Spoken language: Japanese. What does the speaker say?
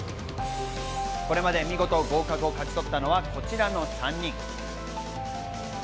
これまで見事合格を勝ち取ったのはこちらの３人。